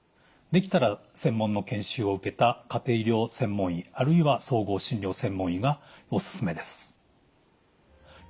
できたら専門の研修を受けた家庭医療専門医あるいは総合診療専門医がおすすめです。